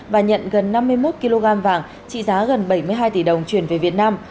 và nhận gần năm mươi một kg vàng trị giá gần bảy mươi hai tỷ đồng chuyển về việt nam